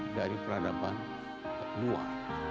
dari peradaban luar